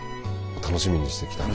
楽しみにしてきたので。